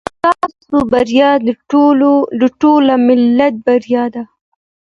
ستاسو بریا د ټول ملت بریا ده.